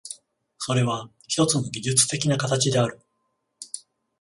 それはひとつの技術的な形である。